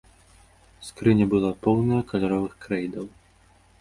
Скрыня была поўная каляровых крэйдаў.